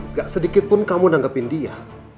nggak sedikitpun kamu nanggepin dia